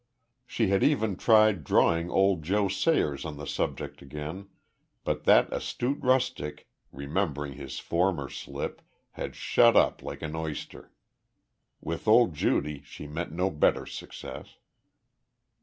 She had even tried drawing old Joe Sayers on the subject again, but that astute rustic, remembering his former slip, had shut up like an oyster. With old Judy she met no better success.